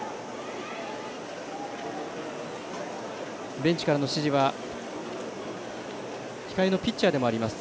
ベンチからの指示は控えのピッチャーでもあります